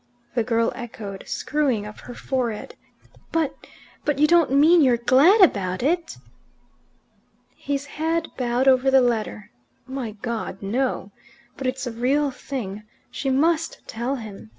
the girl echoed, screwing up her forehead. "But but you don't mean you're glad about it?" His head bowed over the letter. "My God no! But it's a real thing. She must tell him.